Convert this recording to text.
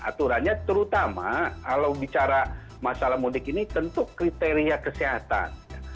aturannya terutama kalau bicara masalah mudik ini tentu kriteria kesehatan